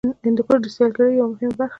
هندوکش د سیلګرۍ یوه مهمه برخه ده.